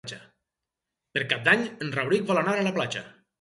Per Cap d'Any en Rauric vol anar a la platja.